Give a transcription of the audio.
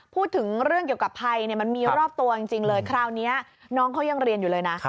พูดถึงเรื่องเกี่ยวกับภัยมันมีรอบตัวจริงเลยคราวนี้น้องเขายังเรียนอยู่เลยนะ